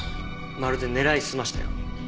まるで狙い澄ましたように。